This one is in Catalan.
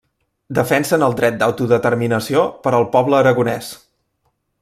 Defensen el dret d'autodeterminació per al poble aragonès.